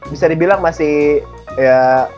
bisa dibilang masih ya